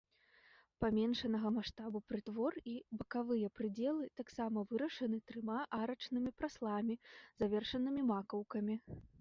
Паменшанага маштабу прытвор і бакавыя прыдзелы таксама вырашаны трыма арачнымі прасламі, завершанымі макаўкамі.